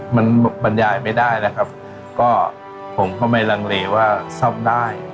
มันบรรยายไม่ได้นะครับก็ผมก็ไม่ลังเลว่าซ่อมได้